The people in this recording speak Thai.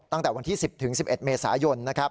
ตั้งแต่วันที่๑๐๑๑เมษายนนะครับ